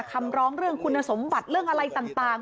คำร้องเรื่องคุณสมบัติเรื่องอะไรต่าง